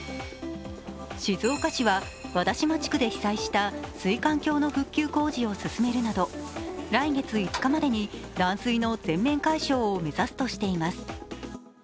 静岡市は和田島地区で被災した水管橋の復旧工事を進めるなど来月５日までに断水の全面解消を目指すとしています。